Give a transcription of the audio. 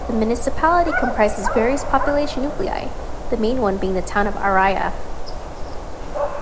The municipality comprises various population nuclei, the main one being the town of Araia.